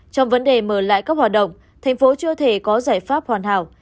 trong vấn đề mở lại các hoạt động tp hcm chưa thể có giải pháp hoàn hảo